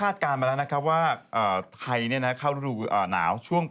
แต่กลางจังหวันหนาวนี่พี่ของเรานาวจะแก๊กนั้น